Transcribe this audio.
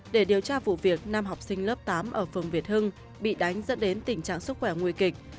để điều tra vụ việc năm học sinh lớp tám ở phường việt hưng bị đánh dẫn đến tình trạng sức khỏe nguy kịch